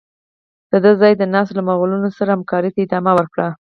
د ده ځای ناستو له مغولانو سره همکارۍ ته ادامه ورکړه.